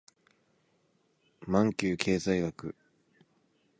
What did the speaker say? マンキュー経済学